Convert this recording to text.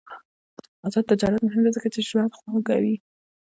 آزاد تجارت مهم دی ځکه چې ژوند خوږوي.